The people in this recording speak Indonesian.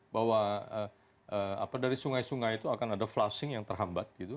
bahwa dari sungai sungai itu akan ada flushing yang terhambat gitu